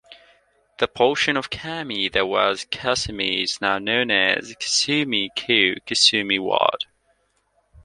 The portion of Kami that was Kasumi is now known as Kasumi-ku, Kasumi Ward.